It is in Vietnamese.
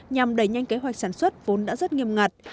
nhằm đẩy nhanh kế hoạch sản xuất vốn đã rất nghiêm ngặt